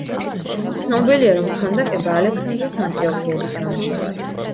ცნობილია, რომ ქანდაკება ალექსანდროს ანტიოქიელის ნამუშევარია.